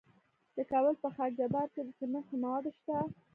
د کابل په خاک جبار کې د سمنټو مواد شته.